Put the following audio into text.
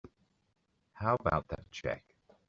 How about that check?